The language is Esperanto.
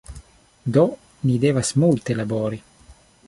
Do ni devas multe labori